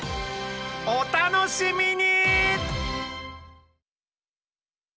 お楽しみに！